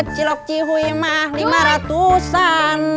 cilok cihui mah lima ratusan